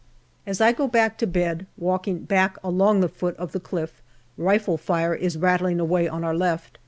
As I go back to bed, walking back along the foot of the cliff, rifle fire is rattling away on our left.